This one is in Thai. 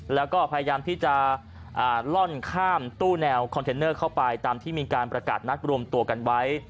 แล้วก็พยายามที่จะล่อนข้ามตู้แนวคอนเทนเนอร์เข้าไปตามที่มีการประกาศนัดรวมตัวกันไว้